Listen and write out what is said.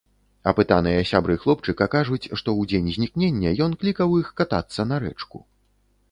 Апытаныя сябры хлопчыка кажуць, што ў дзень знікнення ён клікаў іх катацца на рэчку.